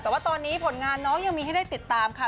แต่ว่าตอนนี้ผลงานน้องยังมีให้ได้ติดตามค่ะ